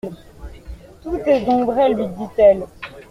Tout est donc vrai, lui dit-elle.